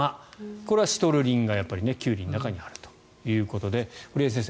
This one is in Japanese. これはシトルリンがキュウリの中にあるということで堀江先生